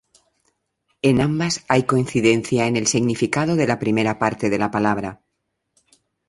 En ambas hay coincidencia en el significado de la primera parte de la palabra.